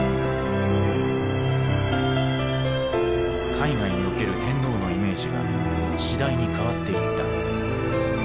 海外における天皇のイメージは次第に変わっていった。